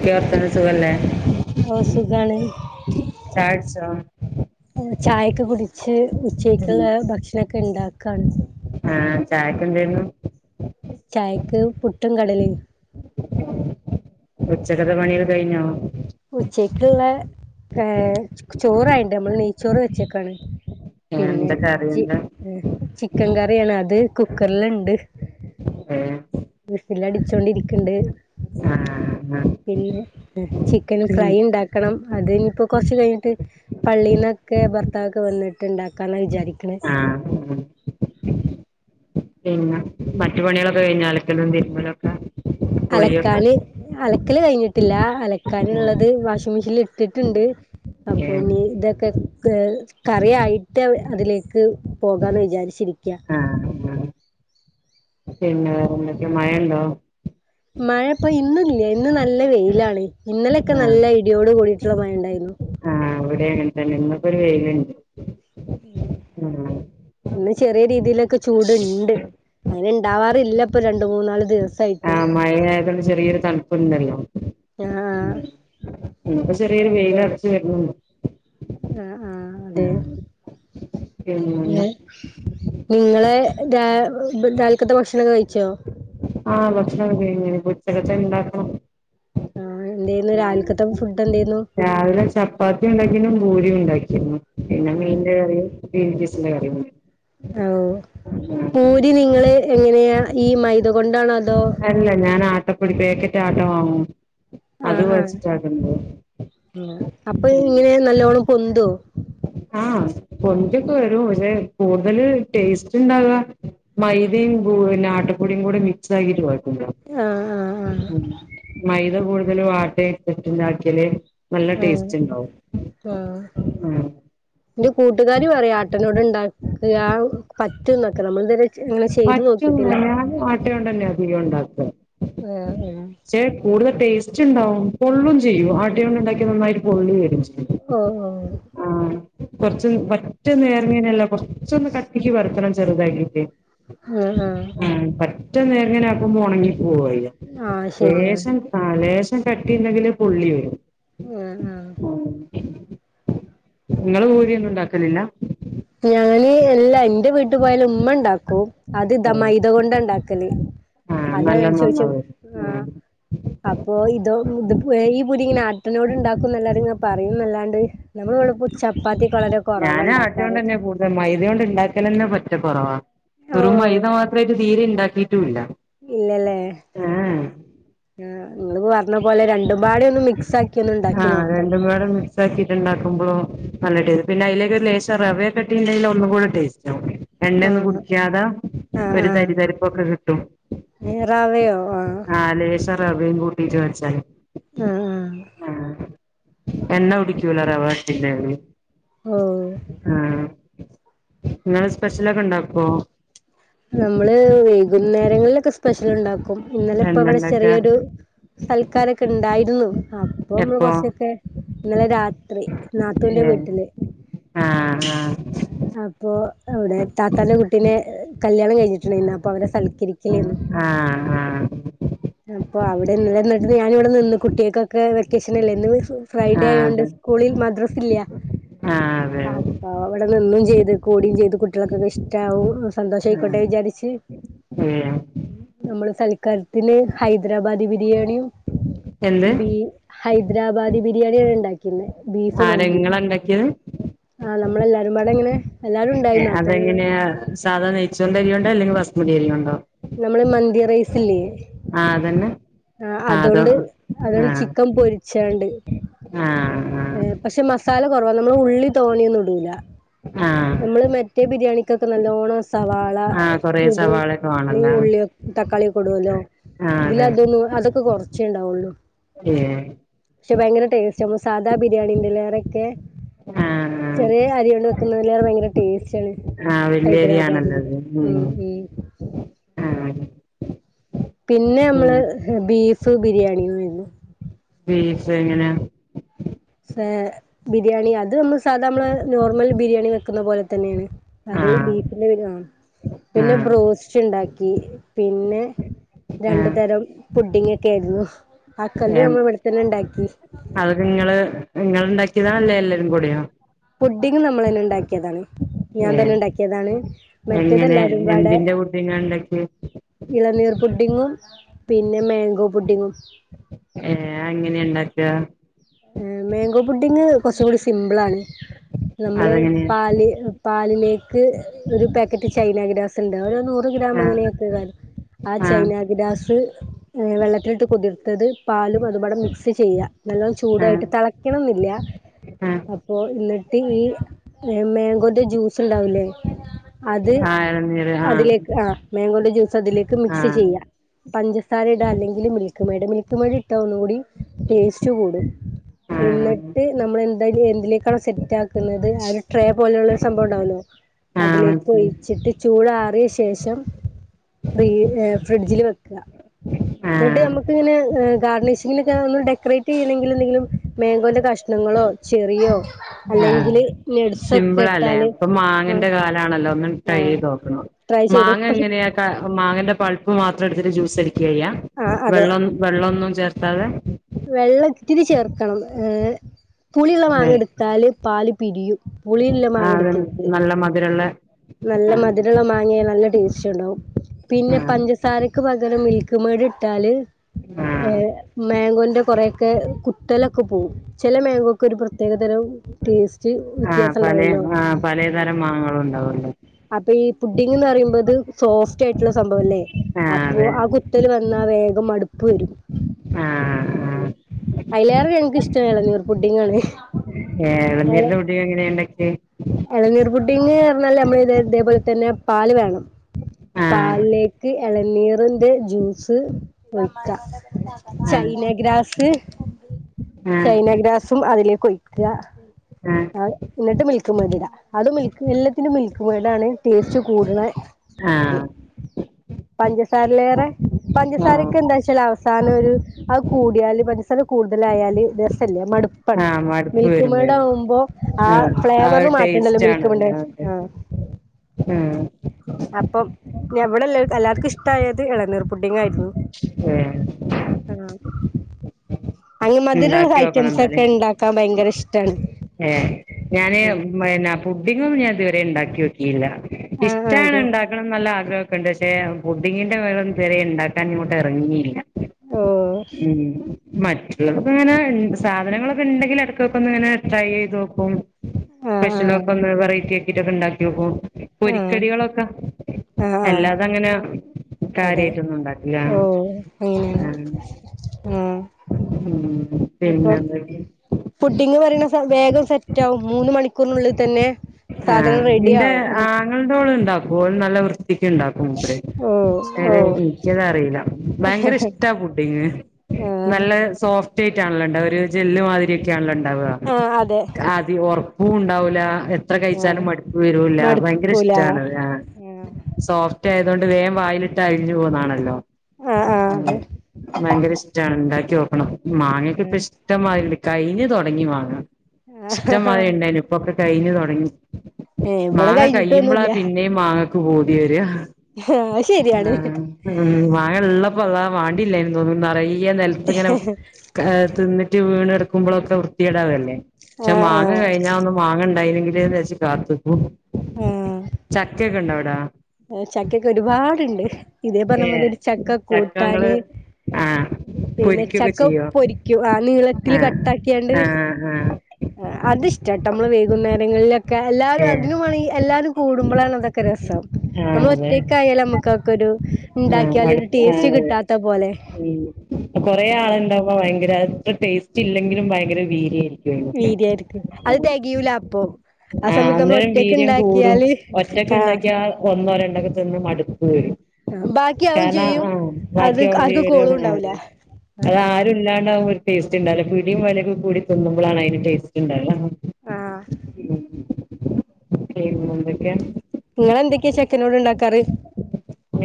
എന്താ വർത്താനം സുഖല്ലേ ഓഹ് സുഖാണ് ചായ കുടിച്ചോ ചായ ക്കെ കുടിച്ച് ഉച്ചയ്ക്കുള്ള ഭക്ഷണൊക്കെ ഉണ്ടാക്കാണ് ആഹ് ചായക്ക് എന്തേനു ചായക്ക് പുട്ടും കടലയും ഉച്ചക്കത്തെ പണിയൊക്കെ കഴിഞ്ഞോ? ഉച്ചയ്ക്കുള്ള ഏഹ് ചോറായിണ്ട് നമ്മള് നെയ്ച്ചോറ് വെച്ചേക്കാണ് പിന്നെ എന്താ കറി ചി എന്താ ചിക്കൻ കറിയാണ് അത് കുക്കറിലുണ്ട് ഏഹ് വിസിലടിച്ചോണ്ടിരിക്കണ്ട് ആഹ് പിന്നെ ചി ക്കൻ ഫ്രൈ ഉണ്ടാക്കണം അതിനിയിപ്പോൾ കുറച്ച് കഴിഞ്ഞിട്ട് പള്ളീന്നൊക്കെ ഭർത്താവൊക്കെ വന്നിട്ട് ഉണ്ടാക്കാന്നാ വിചാരിക്കണേ ആഹ് ഉം പിന്നെ മറ്റു പണികളൊക്കെ കഴിഞ്ഞോ അലക്കലും തിരുമ്പലൊക്കെ കുളിയൊക്കെ അലക്കാന് അലക്കല് കഴിഞ്ഞിട്ടില്ല ആഹ് അലക്കാനുള്ളത് വാഷിംഗ് മെഷീനിൽ ഇട്ടിട്ടുണ്ട് അപ്പൊ ഏഹ് ഇനി ഇതൊക്കെ ഏ കറി ആയിട്ട് അതിലേക്ക് പോകാന്ന് വിചാരിച്ചിരിക്കുക ആഹ് പിന്നെ വേറെന്തൊക്കെ മഴണ്ടോ മഴ ഇപ്പോ ഇന്നില്ല ഇന്ന് നല്ല വെയിലാണ് ഇന്നലെയൊക്കെ നല്ല ഇടിയോട് കൂടിയിട്ടുള്ള മഴ ഉണ്ടായിരുന്നു ആഹ ഇവിടെയും അങ്ങനെത്തന്നെ ഇന്നൊക്കൊ ഒരു വെയിലുണ്ട് ഉം ഇന്ന് ചെറിയ രീതിയിലൊക്കെ ചൂടുണ്ട് അങ്ങനെ ഇണ്ടാവാറില്ല ഇപ്പൊ രണ്ട മൂന്നാല് ദിവസം. ആഹ മഴയതരു ചെറിയൊരു തണുപ്പുണ്ടല്ലോ. ആ ഇപ്പോ ചെറിയൊരു വെയിയില അരച്ച വരുന്നു. ആഹ് ആഹ് അതെ പിന്നെ നിങ്ങളെ രാൽക്കത്തെ ഭക്ഷണൊക്കെ കഴിച്ചോ. ആഹ് ഭക്ഷണം കയിച്ചു ഇഞ് ഉച്ചക്കത്തെ ഇണ്ടാക്കണം. ആഹ എന്തായിരുന്നു രാവിൽക്കത്ത ഫുഡ് എന്തായിരുന്നു. രാവിലെ ചപ്പാത്തി ഉണ്ടാക്കിരുന്നു പൂരി ഉണ്ടാക്കിരുന്നു പിന്നെ ഉം മീന്റെ കറിം. ഗ്രീൻപീസിന്റെ കറി. ഓ പൂരി നിങ്ങള് എങ്ങനെയാ ഈ മൈദ കൊണ്ടാണോ അതോ. ല്ല ഞാൻ ആട്ടപ്പൊടി പാക്കറ്റ് ആട്ട വാങ്ങും. അത് ആഹ കൊഴച്ചിട്ടാക്കുന്നത് ആഹ അപ്പൊ ഇങ്ങനെ നല്ലോണം പൊന്തോ ആഹ പൊന്തിക്കെ വരും പക്ഷേ കൂടുതല് ടേസ്റ്റ് ഉണ്ടാവുക. മൈദയും ആട്ടപ്പൊടിയും കൂടെ മിക്സ് ആക്കിട്ട് കുഴക്കില്ലോ. ആഹ് ആഹ് ആഹ് മൈദ കൂടുതൽ വാട്ട ഇട്ടിട്ടുണ്ടാക്കല്. നല്ല ആഹ് ടേസ്റ്റ് ഉണ്ടാവും. ആഹ് എന്റെ കൂട്ടുകാാര് പറയാ ആട്ടനോട് ഉണ്ടാക്കുക ആ. റ്റന്നക്ക നമ്മൾ എന്ത ഇങ്ങനെ ചെയ്ത് പറ്റും നോക്കിട്ടില്ല. ഞാൻ ആട്ടയോണ്ട് തന്നെ അധികം [unintelligible] പക്ഷേ കൂടുതൽ ടേസ്റ്റ് ഉണ്ടാവും പൊള്ളും ചെയ്യും ആട്ട കൊണ്ട് ഉണ്ടാക്കി നന്നായിട്ട് പൊങ്ങിവരും ചെയ്യും. ഓഹ് ഓഹ് ആഹ കൊറച്ച മറ്റൊന്ന് എറങ്ങനല്ല കൊറച്ചൊന്ന് കട്ടിക്ക് പരുത്തണം ചെറുതാക്കിട്ടേ. ആഹ ആഹ ആ പറ്റ നേരങ്ങനെ ആക്കുമ്പോ ണങ്ങി പോവാ ചെയ്യ ആഹ് ശരിയാണ് ലേഷം. ആഹ് ലേശം കട്ടിയുണ്ടെങ്കില് പൊള്ളി വരും. ആഹ് ആഹ് നിങ്ങള് ഭൂരിന്നും ഉണ്ടാക്കലില്ല. ഞാൻ എല്ലാ എന്റെ വീട്ടിൽ പോയാലും ഉമ്മ ഉണ്ടാക്കും. അത് ഇതാ ആഹ് മൈത കൊണ്ട ഉണ്ടാക്കല് അത നല്ല ഞാൻ ചോദിച്ച നന്നാവും ആഹ് - അപ്പൊ ഇതോ ഇത് ഈ പുരി ഇങ്ങനെ ആട്ടനോട് ഉണ്ടാക്കും എന്നല്ലാരും ഇങ്ങ പറയുംല്ലാ - നമ്മളവിടെ ചപ്പാത്തി ഒക്കെ വളരെ കുറവണ്ടാക്ക ണ്ട് തന്നെ കൂടുതൽ മൈദ കൊണ്ട് ഉണ്ടാക്കല പറ്റ കുറവാ ഓ വെറും മൈദ മാത്രമായിട്ട് തീരെ ഉണ്ടാക്കിയിട്ടുംല്ല ഇല്ലല്ലേ ആഹ് നിങ്ങൾ പറഞ്ഞ പോലെ രണ്ടുംപാട ഒന്ന് മിക്സ് ആക്കി ഒന്ന് ഉണ്ടാക്കി ആഹ് നോക്കണം രണ്ടും പാടെ ഒന്ന് ക്കിട്ട് ണ്ടാക്കുമ്പോ നല്ല ടേസ്റ്റ് പിന്നെ അതിലേക്ക് ഒരു ലേശം റവയൊക്കെ ഇട്ട് ണ്ടെങ്കിൽ ഒന്നും കൂടെ ടേസ്റ്റ് ആവും എണ്ണ ഒന്നും ആഹ് കുടിക്കാതെ ആഹ് ഒരു ആഹ് തരിതരിപ്പൊക്കെ കിട്ടും ആഹ് ലേശ റവയും കൂട്ടീട്ട് വെച്ചാല് ആഹ് ആഹ് ആഹ് എന്ന കുടിക്കൂല റവാട്ടിയാല്ല് ഓ ആഹ് നിങ്ങള് സ്പെഷ്യലൊക്കെ ഇണ്ടാക്കോ? നമ്മള് വൈകുന്നേരങ്ങളിലൊക്കെ സ്പെഷ്യൽ ഇണ്ടാക്കും ഇന്നലെ ഇപ്പ എന്താ ഇവടെ ഉണ്ടാക്കുക ചെറിയൊരു സൽക്കാരൊക്കെ ഇണ്ടായിരുന്നു അപ്പൊ നമ്മള് എപ്പോ കൊർച്ചൊക്കെ ഇന്നലെ രാത്രി നാത്തൂന്റെ ഏഹ് വീട്ടില് ആഹ് ആഹ് അപ്പൊ അവിടെ താത്താന്റെ കുട്ടിനെ കല്യാണം കഴിഞ്ഞിട്ടുണ്ടായിാനു അപ്പൊ അവരെ സൽ കരിക്കലെർന്നു ആ ആ അപ്പൊ അവിടെന്നലെന്നെട്ട് ഞാനിവിടെ നിന്ന് കുട്ടിയേക്കൊക്കെ വെക്കേഷൻ അല്ലേ [unintelligible] ആ ഫ്രൈഡേ ആയൊണ്ട് അതെ സ്കൂളിൽ മദ്രാസില്ല ആ അതെ അപ്പ അതെ അപ്പൊ അവ്ടെ നിന്നും ചെയ്ത് കൂടിയും ചെയ്ത് കുട്ടിയാൾക്കൊക്കെ ഇഷ്ടാവും സന്തോഷം ആയിക്കോട്ടെ വിചാരിച്ച് ഏ നമ്മള് സൽക്കാരത്തിന് ഹൈദരാബാദി ബിരിയാണിം എന്ത് ബീ ഹൈദ്രാബാദി ബിരിയാണിയാണ് ഇണ്ടാക്കീർന്നെ ബീഫ് മന്തിമ്‌ [unintelligible] ആഹ് നമ്മളെല്ലാരും പാടങ്ങനെ എല്ലാരും ഇണ്ടായിർന്നു അപ്പൊ ഇങ്ങനെ സാധണ നെയ്ച്ചോർന്റെ അരിയൊണ്ടോ അല്ലങ്കിൽ ബസ്മതി അരിയോണ്ടോ? നമ്മള് മന്തി റൈസ്ല്ല്ലേ ആഹ് അതന്നെ ആഹ് ആ അതോ അതോണ്ട് അതോണ്ട് ചിക്കൻ പൊരിച്ചാണ്ട് ആഹ് ആഹ് ഏ പക്ഷെ മസാല കൊറവാ നമ്മള് ഉള്ളി തോണിയൊന്നും ഇടൂല ആഹ് നമ്മള് മറ്റേ ബിരിയാണിക്കൊക്കെ നല്ലോണ്ണം സവാള ആ കൊറേ സവാളൊക്കെ കൂടുതല് വേണല്ലോ ഉള്ളിയൊ തക്കാളി കൊടുവല്ലോ ആ ഇതില് അതെ അതൊന്നും അതൊക്കെ കൊർച്ചേ ഇണ്ടാവുള്ളൂ ഏഹ് പക്ഷെ ഭയങ്കര ടേസ്റ്റാമ്മളെ സാദാ ബിരിയാണിന്റെലേറെക്കെ, ആ ആ ചെറിയേ അരിയോണ്ട് വെക്കുന്നതിലേറെ ഭയങ്കര ടേസ്റ്റാണ് ആ വല്യ ഹൈദരാബാദ്ബി അരിയാണല്ലോ ഉം ഉം ആഹ് പിന്നെ നമ്മള് ബീഫ് ബിരിയാണിയാർന്നു ബീഫ് എങ്ങനെ? ഫെ ബിരിയാണി അത് നമ്മള് സാധാ നമ്മള് നോർമൽ ബിരിയാണി വെക്കുന്ന പോലെ തന്നെണ്. അത് ആ ബീഫിന്റെ വെ [unintelligible] ആ പിന്നെ ബ്രോസ്റ്റ് ഇണ്ടാക്കി പിന്നെ രണ്ടു ആ തരം പുഡിങ്ങൊക്കെ ഏർന്നു. ഏ അതൊക്കെ ഇങ്ങള് നിങ്ങള് ഇണ്ടാക്കിയതാ അല്ലേ എല്ലരും കൂടിയോ? ഫുഡിങ് നമ്മളന്നെ ഇണ്ടാക്കിയതാണ് ഞാൻ ഏഹ് തന്നെ ഇണ്ടാക്കിയതാണ് എങ്ങനെ മറ്റേതെല്ലാരുംപാടെ എന്തിന്റെ പുഡിങ്ങാ ഇണ്ടാക്കിയെ ഇളനീർ പുഡിങ്ങും പിന്നെ മേങ്കോ പുഡിങ്ങും ഏ അതെങ്ങനെ ണ്ടാക്ക? മേങ്കോ പുുഡിങ്ങ് കൊർച്ചൂടി സിമ്പിളാണ് നമ്മള് അതെങ്ങനെയാ പാല് പാലിലേക്ക് ഒരു പാക്കറ്റ് ചൈന ഗ്രാസ് ഇണ്ട് അതൊരു നൂ റ് ഗ്രാം ആഹ് അങ്ങനെയൊക്കെ [unintelligible] ആ ആഹ് ചൈനഗ്രാസ് ഹെ വെള്ളത്തിലിട്ട് കുതിർത്തത് പാലും അതുപാടെ മിക്സ് ചെയ്യ നല്ല ആഹ് ചൂടായിട്ട് തളയ്ക്കണംന്നില്ല ആഹ് അപ്പൊ എന്നിട്ട് ഈ മാേങ്കോന്റെ ജ്യൂസ് ഇണ്ടാവിലേ അത് ആഹ് എളനീര് അതിലേക്ക് ആഹ് മാേങ്കോന്റെ ജ്യൂസ് അതിലേക്ക് മിക്സ് ആഹ് ചെയ്യ. പഞ്ചസാരട അല്ലെങ്കിൽ മിൽക്ക് മെയഡ് മിൽക്ക് മെയഡ് ഇട്ട ഒന്നുകൂടി ടേസ്റ്റ് കൂടും. ആഹ് ന്നട്ട് നമ്മൾെന്താ എന്തിലേക്കാണ് സെ റ്റക്കുന്നത് ആഹ് ഒരു ട്രേ പോലുള്ള സംഭവം ഉണ്ടാവല്ലോ ആഹ് അതിലേക്ക് മനസ്സിലായി ഒഴിച്ചിട്ട് ചൂടാറിയ ശേഷം ദീ ഹെ ഫ്രിഡ്ജിൽ വെക്ക ന്നിട്ട് ആഹ് നമക്ക് ഇങ്ങനെ ഗാർഡണഷിങ്ങിനക്കെ ഒന്ന് ഡെക്കറേറ്റ് ചെയ്യണെ ന്നെങ്കിലും മേഗോന്റെ കഷ കഷ്ണങ്ങളോ ചെറിയോ ആഹ് അല്ലെങ്കില് നെഡസൊക്കെ സിമ്പിളാല്ലേ ഇട്ടാല് ആഹ്.. കൈ തോക്കണം ട്രൈ ചെയ്തു പക്ഷെ മാങ്ങന്റെ പൾപ്പ് മാത്രം എടുത്തിട്ട് ജ്യൂസടിക്കഴിയ്യ ആ അതെ വെള്ളന്നു വെള്ളൊന്നും ചേർത്താതെ വെള്ളം ഇത്തിരി ചേർക്കണം ങ് പുളിള്ള ഏഹ് മാങ്ങെടുത്താല് പാല് പിരിയും പുളിള്ള മാങ്ങ എട്ക്കരുത് മധുരള്ളെ നല്ല മധുരമുള്ള മാങ്ങ നല്ല ടേസ്റ്റ് ഉണ്ടാവും പിന്നെ ആ പഞ്ചസാരക്ക് പകരം മിൽ മിൽക്ക് മേഡ് ഇട്ടാല് ആ മോങ്ങൊന്റെ കൊറൊക്കെ കുത്തല ക്കെ പോവും ചില മോഗോക്ക് ഒരു പ്രത്യേകതരം ടേസ്റ്റ് ആ വ്യത്യാസം പലേ ഇണ്ടാവല്ലോ ആ [unintelligible] പലേതരം മാങ്ങളുണ്ടാവല്ലോ അപ്പൊ ഈ പുഡിങ് എന്ന് പറയുമ്പോത് സോഫ്റ്റ് ആയിട്ടുള്ള സംഭവംല്ലേ ആ അപ്പൊ അതെ ആഹ് കു വന്നാൽ വേഗം മടുപ്പ് വരും ആ ആ അയ്ലേറെ ഞങ്ങൾക്ക് ഇഷ്ടം ഇളനീർ പുഡിങ്ങാണ് എഹ് എളനീരിന്റെ പുഡ്ഡിംഗ് എങ്ങനെയ ഇണ്ടക്കെ ഇളനീർ പുഡിങ്ങ് പറഞ്ഞാൽ നമ്മള് ഇതോ പോലെ തന്നെ പാൽ വേണം ആ പാലിലേക്ക് ഇളനീറിന്റെ ജ്യൂസ് വക്ക ആ ചൈന ആ ഗ്രാസ് ആ ചൈന ചൈനഗ്രാസും അതിലേക്ക് ഒഴിക്കുക ന്നട്ട് മിൽക്ക് മെയ്ഡ് ഇട അത് മിൽക്ക് എല്ലാത്തിലുംമിൽക്ക് മേഡാണ് ടേസ്റ്റ് കൂടുണ ആ ഇത് പഞ്ചസാരയിലേറെ ആ പഞ്ചസാരക്കെ എന്താച്ചല് അവസാനം ഒരു അത് കൂടിയാല് പഞ്ചസാര കൂടുതലായാല് രസല്ല മടുപ്പ് മടുപ്പാണ് ആ മടുപ്പ് മിൽക്ക് വരും മേഡ് വേഗം ആവുമ്പോ ആ ആ ഒരു ഫ്ലേവറിന് മാറ്റേണ്ടല്ലോ മിൽക്ക് മേഡ് ആഹ് ഉം അപ്പോ ഇവിടെല്ല എല്ലാവർക്കും ഇഷ്ടായത് ഇളനീർ പുഡ്ഡിംഗ് ആയിരുന്നു എഹ് [unintelligible] അങ്ങനെ മധുരള്ള ഇണ്ടാക്കി നോക്കണം ഐറ്റംസ് ഒക്കെ ഇണ്ടാക്കാൻ ഭയങ്കര ഇഷ്ടണ് ഏഹ് ഞാന് ഫുഡിങ്ങും ഞാൻ ഇതുവരെ ഉണ്ടാക്കി വോക്കിയില്ല ആഹ് ആഹ് ഇഷ്ടണ് അതെ ഇണ്ടാ നല്ല ആഗ്രഹൊക്കെ ഉണ്ട് പക്ഷെ ബുഡിന്റെ വെള്ളം വോറഉണ്ടാക്കാൻ ഇങ്ങട്ട് എറങ്ങില്ല ഓഹ് ഉം മറ്റുള്ളതൊക്കെ ഇങ്ങനെ സാധനങ്ങളൊക്കെ ഉണ്ടെങ്കില് ഇടക്ക്ക്കെ ഇങ്ങനെ ട്രൈ ചെയ്ത് നോക്കും ആഹ് ആഹ് സ്പെഷ്യലൊക്കൊന്ന് വെറൈറ്റി ആക്കിട്ടൊക്കെ ണ്ടാക്കിയോക്കും ആഹ് പൊരിക്കടികളൊക്കെ ആഹ് ആഹ് എല്ലാതങ്ങനെ അതെ ഓ അങ്ങനെയാണ് ആ ഉം ഉം അപ്പം പിന്നെന്തൊക്കെ പുുഡിങ്ങ് പറയ്ണ വേഗം സെറ്റാവും മൂന്ന് മണിക്കൂറിനുള്ളിൽ തന്നെ സാധനം റെഡിയാവും [unintelligible] ഉണ്ടാക്കും. ഓള് നല്ല വൃത്തിക്ക്ണ്ടാക് ക്കും മൂപ്പര്, ഓ ക്ഷെ ഓ ല് ഇൻക്കതറീല. ഭയങ്കര ഇഷ്ടാ ഫുഡിങ് ആഹ് നല്ല സോഫ്റ്റയ്ട്ടാണല്ലോ ഉണ്ടാവ ഒര് ജെല്ല് മാതിരിയൊക്കേണല്ലോ ണ്ടാവുക ആഹ് അതെ അതി ഒർപ്പൂണ്ടാവൂല ത്ര ആഹ് കഴിച്ചാലും മടുപ്പ് വരൂല്ലാ ഭയങ്കര മടുക്കൂല ഇഷ്ട്ടാണത് ആഹ് സോഫ്റ്റായതുകൊണ്ട് വേം വായിലിട്ട അലിഞ്ഞു പോവുന്നാണല്ലോ ആഹ് ആഹ് അതെ ഉം. ഭയങ്കര ഇഷ്ട്ടാണ്. ഉണ്ടാക്കി നോക്കണം മാങ്‌യൊക്കെ ഇപ്പോ ഉം ഇഷ്ട ഇഷ്ടംമാതിരിണ്ട്, കയ്ഞ്ഞ തൊടങ്ങി മാങ്ങ, ആഹ് ഇഷ്ടംമാതിരി ണ്ടേയിനി പ്പൊക്കെ കയ്ഞ്ഞ് തൊട ടങ്ങി. ഏഹ് ഇവിടെ മാങ്ങ കഴിയുമ്പളാ കഴിഞ്ഞിട്ടൊന്നുല്ല പിന്നെയും മാങ്ങക്ക് പൂതി വരാ ഏഹ് അഹ് ശരിയാണ് ഉം മാങ്ങള്ളപ്പോ അള്ളാ മാണ്ടില്ലേനി തോന്നും. നറയ നെൽത്തിങ്ങനെ ഏഹ് തിന്നിട്ട് വീണ്കെടുക്കുമ്പളൊക്കെ വൃത്തികേടാവല്ലേ. പക്ഷെ ആഹ് മാങ്ങ ആഹ് കഴിഞ്ഞാൽ ഒന്ന് മാങ്ങ ഉണ്ടായിന്ന് ലേ വേച്ച് കാത്തുക്കും ആഹ് കേക്ക്ണ്ടോ അവിടെ ആ ചക്കൊക്കെ ഒരുപാട്ണ്ട് ഇതേ പറഞ്ഞ ഏഹ് പോലരു ചക്ക കൂട്ടാന് ആഹ് പിന്നെ പൊരിക്കൊക്കെ ചക്ക ചെയ്യോ പൊരിക്കും ആ നീളത്തില് ആഹ് കട്ടാക്കിയാണ്ട് ആഹ് ആഹ് ആ അത്ഷ്ടട്ടോ നമ്മള് വൈകുന്നേരങ്ങളിലൊക്കെ എല്ലാരും ഏഹ് അതിനോവണെങ്കി എല്ലാരും കൂടുമ്പളാണ് അതൊക്കെ രസം ആഹ് അതെ നമ്മളൊറ്റക്കായാൽ അമ്മക്കക്കൊരു ആഹ് ഇണ്ടാക്കിയാലൊരു മടുപ്പ് ടേസ്റ്റ് ആഹ് കിട്ടാത്ത പോലെ ഉം കൊറേ ആളുണ്ടാവുമ്പോ ഭയങ്കര അത്ര ടേസ്റ്റ് ഇല്ലെങ്കിലും ഭയങ്കര വീര്യേ നി വീര്യരിക്കും അത് തെകയൂല അപ്പൊ ആ ആഹ് സമയത്ത് അന്നേരം നമ്മളൊറ്റക്ക് വീര്യം കൂടും ഉണ്ടാക്കിയാല് ഒറ്റക്ക് ആഹ് ഇണ്ടാക്കിയാ ഒന്നോ രണ്ടക്കത്ത് തിന്നും മടുക്കോയ്. ബാക്കിയാവും കാരണം ചെയ്യും ആ അത് ബാക്ക്യാവ് ആർക്കും കോളും ഉണ്ടാവൂല പിന്നെന്ത് ആഹ് അതായ് രുല്ലാണ്ടാവുമ്പൊരു ടേസ്റ്റ് ണ്ടാവൂല. പിടിം വലിം കൂടി തിന്നുമ്പളാണയ്ന് ടേസ്റ്റ് ണ്ടാവ ആഹ് പിന്നെന്തൊക്കെ ങ്ങളെന്തൊക്കെ യാ ചക്കനോട്ണ്ടാക്കാറ്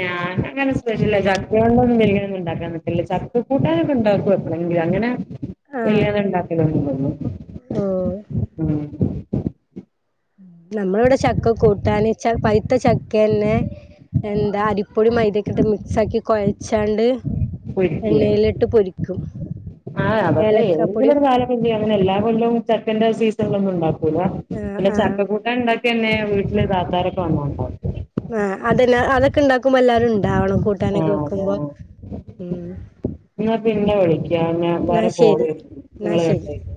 ഞാൻ അങ്ങനെ സ്പെഷ്യല്ല ചക്ക കൊണ്ടൊന്നും വല്യൊന്നുണ്ടാക്കാൻ നിക്കല്ല. ചക്ക കൂട്ടാനൊക്കെ ഇണ്ടാക്കു എ അല്ലെങ്കിൽ അങ്ങനെ ആഹ് ചെയ്യാതെ ണ്ടാക്കലാണെന്ന് തോന്നുന്നു ഓ ഉം നമ്മളവടെ ചക്ക കൂട്ടാന്ച്ചാ പഴ്‌ത്ത ചക്കന്നെ എന്താ അരിപ്പൊടി മൈദ്യൊക്കെട്ട് മിക്സാക്കി കൊഴച്ചാണ്ട് പൊരിക്ക്യേ.. ആഹ് അവക്ക് ഏലക്കാപ്പൊടി ഏതെങ്കിലൊരു കാലം ക കര്തി അങ്ങനെ എല്ലാ കൊല്ലവും ചക്കന്റെ സീസണിലൊന്നുണ്ടാക്കൂല്ല ആഹ് പിന്നെ ആഹ് ചക്കക്കൂ ട്ടാണ്ടാക്കിയന്നെ വീട്ടില് താത്താരൊക്കെ വന്നോണ്ടോവും ആഹ് അതന്നെ,, അതൊക്കെണ്ടാക്കുമ്പോ എല്ലാരും ണ്ടാവണം ആഹ് അതെ അഹ് നിങ്ങള് പിന്നെ വിളിക് എന്നാ ശരി [unintelligible] എന്നാ നിങ്ങള് ശരി കേട്ടഹ്